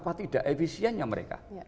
berapa tidak efisiennya mereka